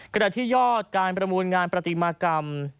กระดาษที่ยอดการประมูลงานประติมากรรม